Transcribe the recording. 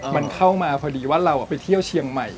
มันเข้ามาพอดีว่าเราไปเที่ยวเชียงใหม่